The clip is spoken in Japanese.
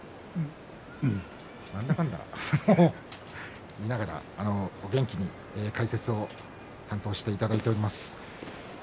なんだかんだ言いながら元気に解説を担当していただいております。